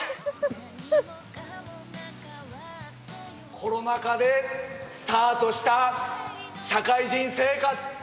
コロナ禍でスタートした社会人生活。